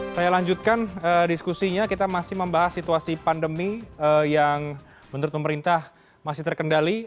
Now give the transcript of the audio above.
saya lanjutkan diskusinya kita masih membahas situasi pandemi yang menurut pemerintah masih terkendali